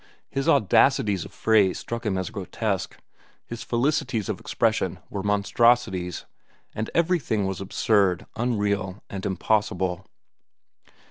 His audacities of phrase struck him as grotesque, his felicities of expression were monstrosities, and everything was absurd, unreal, and impossible.